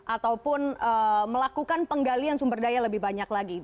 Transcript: ataupun melakukan penggalian sumber daya lebih banyak lagi